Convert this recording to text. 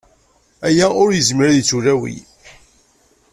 Aya ur yezmir ad yettwalawi!